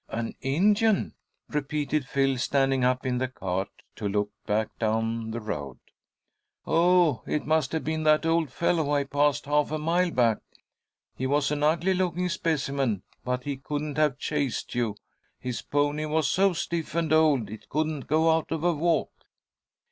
"An Indian!" repeated Phil, standing up in the cart to look back down the road. "Oh, it must have been that old fellow I passed half a mile back. He was an ugly looking specimen, but he couldn't have chased you; his pony was so stiff and old it couldn't go out of a walk."